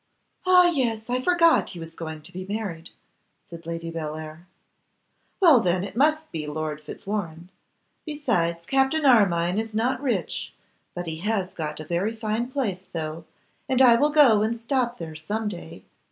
'Ah! yes, I forgot he was going to be married,' said Lady Bellair. 'Well, then, it must be Lord Fitzwarrene. Besides, Captain Armine is not rich, but he has got a very fine place though, and I will go and stop there some day.